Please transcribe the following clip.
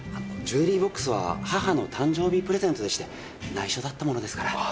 ジュエリーボックスは母の誕生日プレゼントでして内緒だったものですから。